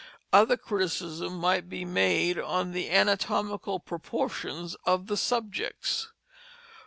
Other criticism might be made on the anatomical proportions of the subjects.